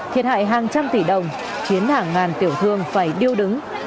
thiệt hại hàng trăm tỷ đồng khiến hàng ngàn tiểu thương phải điêu đứng